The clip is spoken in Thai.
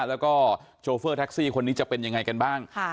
แล้วก็โชเฟอร์แท็กซี่คนนี้จะเป็นยังไงกันบ้าง